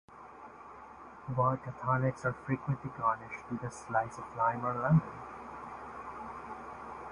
Vodka tonics are frequently garnished with a slice of lime or lemon.